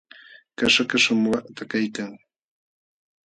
Kaśha kaśham waqta kaykan.